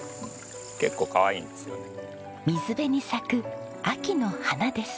水辺に咲く秋の花です。